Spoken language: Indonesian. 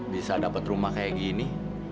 bisa dapat rumah kayak gini